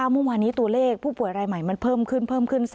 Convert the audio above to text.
เมื่อวานี้ตัวเลขผู้ป่วยรายใหม่มันเพิ่มขึ้น